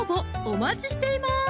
お待ちしています